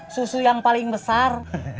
susu yang paling besar